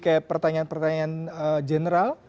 kayak pertanyaan pertanyaan general